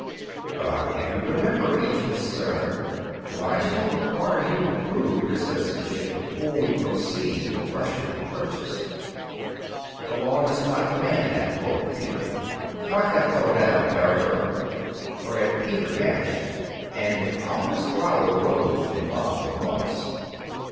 But I would have you remember, ancient sir, that I shall require you to prove your citizenship before we proceed to the question of purchase.' 'The law does not demand that,' quoth Peter. 'Knock that fellow down, apparitor!' Whereat Peter vanished, and an ominous growl rose from the mob of monks.